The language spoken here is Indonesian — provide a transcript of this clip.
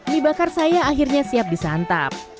mie bakar saya akhirnya siap disantap